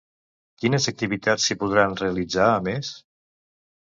Quines activitats s'hi podran realitzar a més?